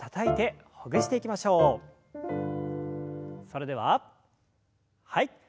それでははい。